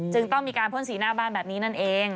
ต้องมีการพ่นสีหน้าบ้านแบบนี้นั่นเอง